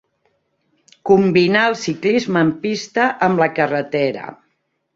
Combinà el ciclisme en pista, amb la carretera.